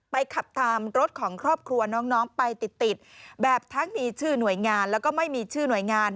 ขับตามรถของครอบครัวน้องไปติดแบบทั้งมีชื่อหน่วยงานแล้วก็ไม่มีชื่อหน่วยงาน